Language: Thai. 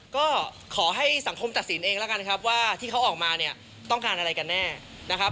ก็ขอให้สังคมตัดสินเองแล้วกันครับว่าที่เขาออกมาเนี่ยต้องการอะไรกันแน่นะครับ